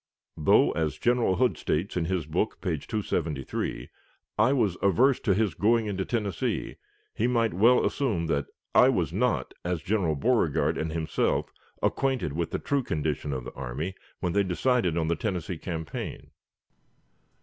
Though, as General Hood states in his book, page 273, I was "averse to his going into Tennessee," he might well assume that I "was not, as General Beauregard and himself, acquainted with the true condition of the army" when they decided on the Tennessee campaign.